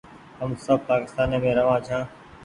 هم سب پآڪيستاني مينٚ رهوآن ڇآن